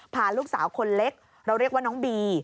พาลูกสาวคนเล็กเราเรียกว่าน้องบี